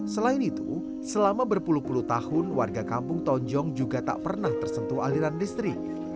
selain itu selama berpuluh puluh tahun warga kampung tonjong juga tak pernah tersentuh aliran listrik